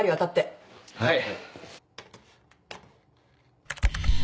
はい。